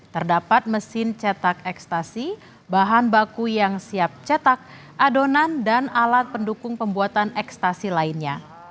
terdapat mesin cetak ekstasi bahan baku yang siap cetak adonan dan alat pendukung pembuatan ekstasi lainnya